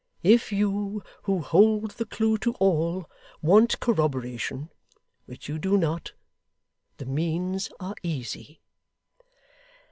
If you, who hold the clue to all, want corroboration (which you do not), the means are easy.